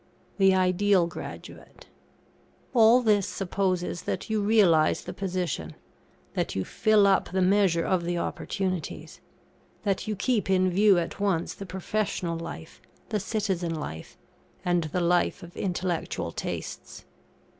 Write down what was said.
] THE IDEAL GRADUATE. All this supposes that you realise the position; that you fill up the measure of the opportunities; that you keep in view at once the Professional life, the Citizen life, and the life of Intellectual tastes.